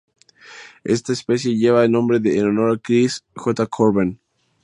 Esta especie lleva el nombre en honor a Chris J. Corben.